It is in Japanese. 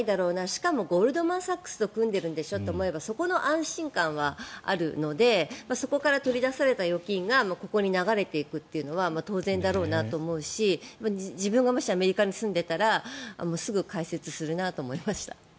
しかもゴールドマン・サックスと組んでるんでしょとなればそこの安心感はあるのでそこから取り出された預金がここに流れていくというのは当然だろうなと思うし自分がもしアメリカに住んでたらすぐ開設するなと思いました。